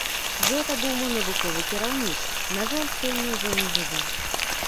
Гэта быў мой навуковы кіраўнік, на жаль, сёння ўжо не жывы.